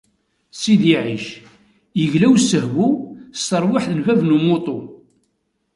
Sidi Ɛic, yegla usehwu s terwiḥt n bab n umuṭu.